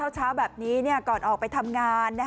เช้าแบบนี้ก่อนออกไปทำงาน